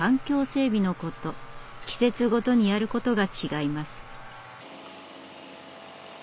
季節ごとにやることが違います。